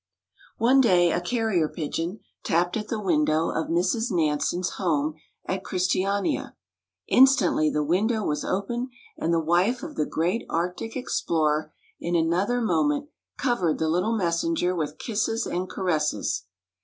One day a carrier pigeon tapped at the window of Mrs. Nansen's home at Christiania. Instantly the window was opened, and the wife of the great Arctic explorer in another moment covered the little messenger with kisses and caresses.